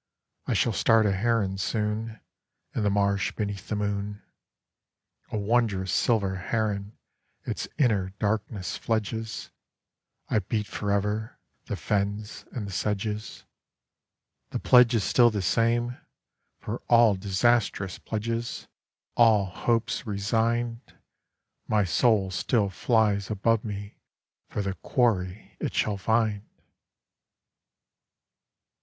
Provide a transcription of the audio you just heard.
I shall start a heron soonIn the marsh beneath the moon—A wondrous silver heron its inner darkness fledges!I beat foreverThe fens and the sedges. The pledge is still the same—for all disastrous pledges, All hopes resigned! My soul still flies above me for the quarry it shall find!